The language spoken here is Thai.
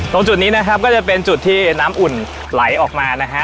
ตรงจุดนี้นะครับก็จะเป็นจุดที่น้ำอุ่นไหลออกมานะฮะ